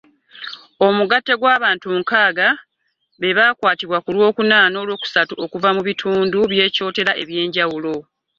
Omugatte gw’abantu nkaaga be baakwatibwa ku Lwokuna n’Olwokusatu okuva mu bitundu bye Kyotera eby’enjawulo.